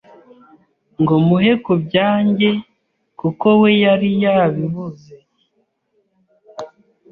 ngo muhe ku byanjye kuko we yari yabibuze,